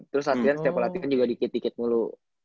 terus latihan stipulati kan juga dikit dikit mulu